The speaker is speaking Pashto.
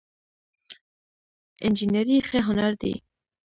انجينري ښه هنر دی